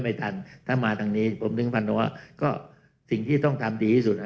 ไม่ทันถ้ามาทางนี้ผมถึงพันว่าก็สิ่งที่ต้องทำดีที่สุด